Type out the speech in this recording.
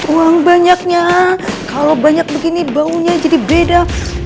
uang banyaknya kalau banyak begini baunya jadi beda